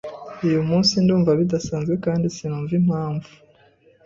Uyu munsi ndumva bidasanzwe kandi sinumva impamvu.